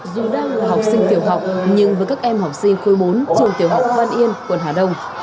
dù đang là học sinh tiểu học nhưng với các em học sinh khối bốn trường tiểu học văn yên quận hà đông